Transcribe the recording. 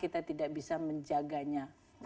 kita tidak bisa menjaganya